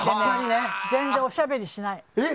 全然おしゃべりしない。